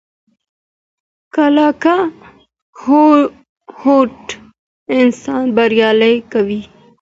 کلکه هوډ انسان بریالی کوي.